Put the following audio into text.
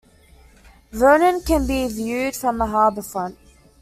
Vernon, can be viewed from the harbor front.